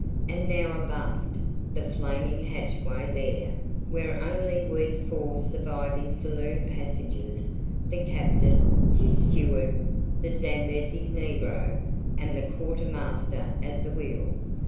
And now abaft the flaming hatchway there were only we four surviving saloon passengers, the captain, his steward, the Zambesi negro, and the quarter master at the wheel.